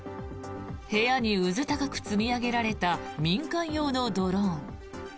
部屋にうずたかく積み上げられた民間用のドローン。